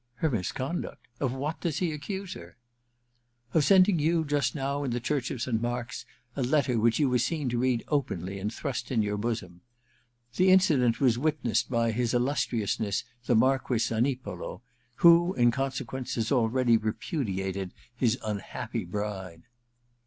* Her misconduct ? Of what does he accuse her?' * Of sending you, just now, in the church of 332 A VENETIAN NIGHTS ii Saint Mark, a letter which you were seen to read openly and thrust in your bosom. The incident was witnessed by his lUustriousness the Marauess Zanipolo, who, in consequence, has already repudiated Us unhappy bride.'